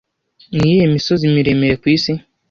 Niyihe misozi miremire kwisi